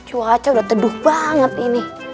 cuaca udah teduh banget ini